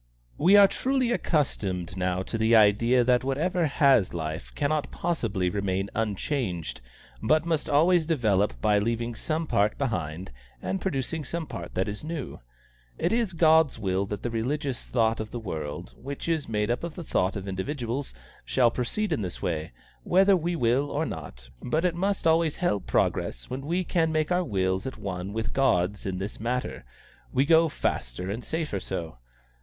"We are truly accustomed now to the idea that whatever has life cannot possibly remain unchanged, but must always develop by leaving some part behind and producing some part that is new. It is God's will that the religious thought of the world, which is made up of the thought of individuals, shall proceed in this way, whether we will or not, but it must always help progress when we can make our wills at one with God's in this matter; we go faster and safer so.